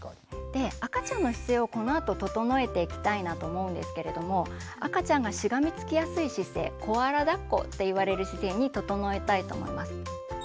で赤ちゃんの姿勢をこのあと整えていきたいなと思うんですけれども赤ちゃんがしがみつきやすい姿勢「コアラだっこ」って言われる姿勢に整えたいと思います。